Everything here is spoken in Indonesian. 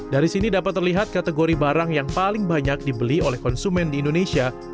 dari sini dapat terlihat kategori barang yang paling banyak dibeli oleh konsumen di indonesia